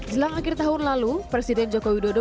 jelang akhir tahun lalu presiden jokowi dodo